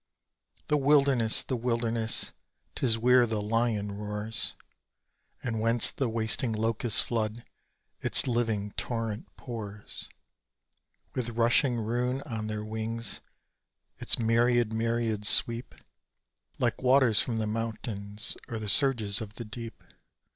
The wilderness! The wilderness! 'Tis where the lion roars; And whence the wasting locust flood its living torrent pours: With rushing ruin on their wings, its myriad myriads sweep, Like waters from the mountains, or the surges of the deep.